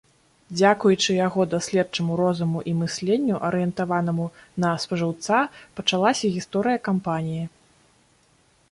Дзякуючы яго даследчаму розуму і мысленню, арыентаванаму на спажыўца пачалася гісторыя кампаніі.